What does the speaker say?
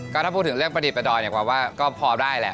ก็ถ้าพูดถึงเรื่องประดิษฐ์ประดอยก็พอได้แหละ